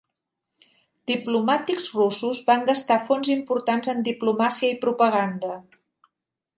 Diplomàtics russos van gastar fons importants en diplomàcia i propaganda.